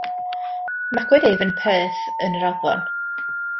Magwyd ef yn Perth yn yr Alban.